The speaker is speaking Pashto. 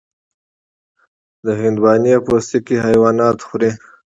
د تربوز پوستکي حیوانات خوري.